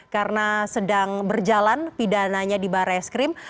karena sedang berjalan pidananya di barai es krim